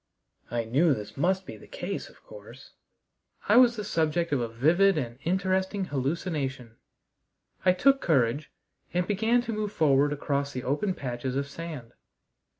I knew this must be the case, of course. I was the subject of a vivid and interesting hallucination. I took courage, and began to move forward across the open patches of sand.